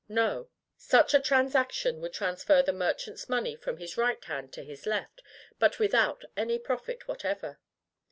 No: such a transaction would transfer the merchant's money from his right hand to his left, but without any profit whatever.